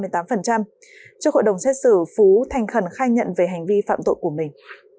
trước hội đồng xét xử phú thành khẩn khai nhận về hành vi phạm tội của mình